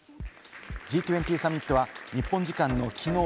Ｇ２０サミットは日本時間のきのう